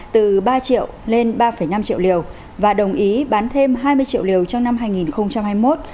từ ba triệu lên ba năm triệu liều và đồng ý bán thêm hai mươi triệu liều trong năm hai nghìn hai mươi một